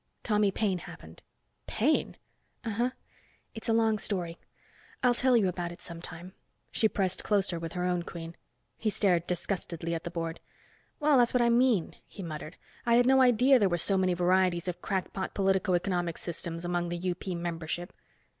"Tommy Paine happened." "Paine!" "Uh huh. It's a long story. I'll tell you about it some time." She pressed closer with her own queen. He stared disgustedly at the board. "Well, that's what I mean," he muttered. "I had no idea there were so many varieties of crackpot politico economic systems among the UP membership."